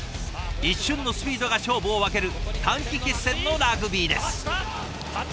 一瞬のスピードが勝負を分ける短期決戦のラグビーです。